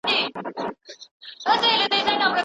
ایا سياست پوهنه د ټولنیزو علومو یوه څانګه ده؟